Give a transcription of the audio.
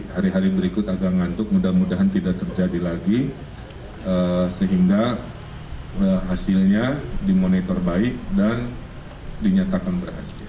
hari hari berikut agak ngantuk mudah mudahan tidak terjadi lagi sehingga hasilnya dimonitor baik dan dinyatakan berhasil